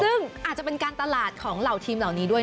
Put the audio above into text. ซึ่งอาจจะเป็นการตลาดของเหล่าทีมเหล่านี้ด้วย